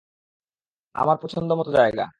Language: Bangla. আমার পছন্দ মতো জায়গা।